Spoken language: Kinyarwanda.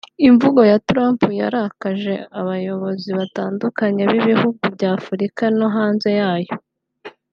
Imvugo ya Trump yarakaje abayobozi batandukanye b’ibihugu bya Afurika no hanze yayo